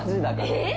えっ！？